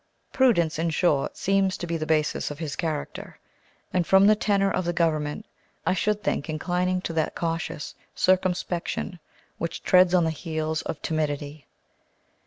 Prudence, in short, seems to be the basis of his character; and, from the tenor of the Government, I should think inclining to that cautious circumspection which treads on the heels of timidity.